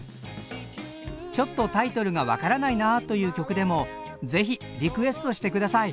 「ちょっとタイトルが分からないな」という曲でも是非リクエストしてください。